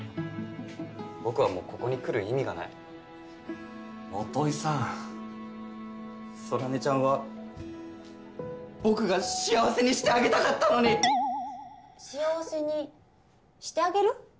僕はもうここに来る意味がない基さん空音ちゃんは僕が幸せにしてあげたかったのに幸せにしてあげる？